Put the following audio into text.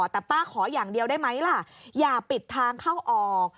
แต่ป้าขออย่างเดียวได้ไหมล่ะอย่าปิดทางเข้าออก